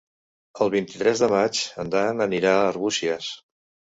El vint-i-tres de maig en Dan anirà a Arbúcies.